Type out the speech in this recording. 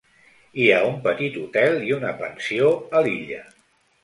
Hi ha un petit hotel i una pensió a l"illa.